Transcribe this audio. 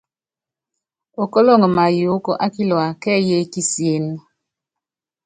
Okóloŋ máyɔɔ́k á kilua kɛ́ɛ́y é kisíén.